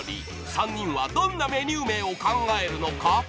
［３人はどんなメニュー名を考えるのか］